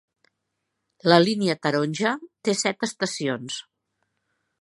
La línia taronja té set estacions.